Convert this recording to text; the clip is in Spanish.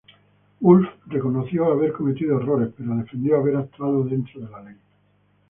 Wulff reconoció haber cometido errores, pero defendió haber actuado dentro de la ley.